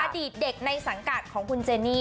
อดีตเด็กในสังกัดของคุณเจนี่